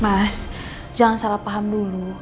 mas jangan salah paham dulu